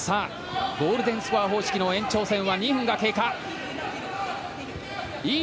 ゴールデンスコア方式の延長戦は２分が経過。